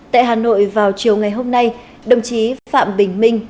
tại hà nội vào chiều ngày hôm nay đồng chí phạm bình minh